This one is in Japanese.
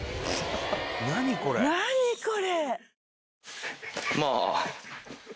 何これ！？